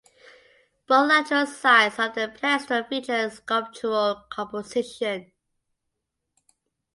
Both lateral sides of the pedestal feature sculptural compositions.